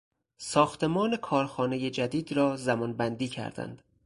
ساختمان کارخانهی جدید را زمانبندی کردند.